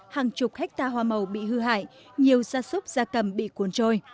hàng chục hectare hoa màu bị hư hại nhiều gia súc gia cầm bị cuốn trôi